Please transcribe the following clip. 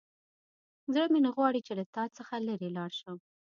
زړه مې نه غواړي چې له تا څخه لیرې لاړ شم.